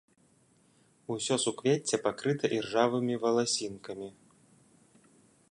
Усё суквецце пакрыта іржавымі валасінкамі.